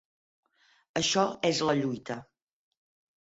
Això és la lluita.